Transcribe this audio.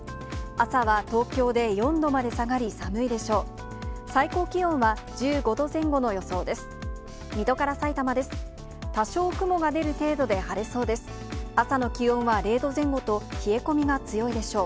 朝は東京で４度まで下がり寒いでしょう。